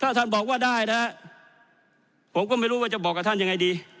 ถ้าท่านบอกว่าได้นะว่าจะบอกกับท่าน